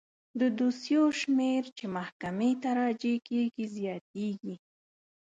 د دوسیو شمیر چې محکمې ته راجع کیږي زیاتیږي.